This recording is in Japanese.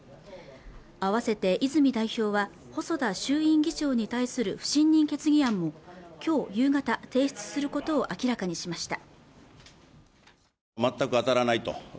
併せて泉代表は細田衆院議長に対する不信任決議案も今日夕方提出することを明らかにしました